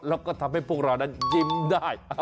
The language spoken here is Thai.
แล้วก็ทำให้พวกเรานั้นยิ้มได้